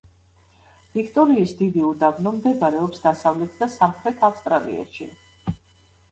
ვიქტორიის დიდი უდაბნო მდებარეობს დასავლეთ და სამხრეთ ავსტრალიაში.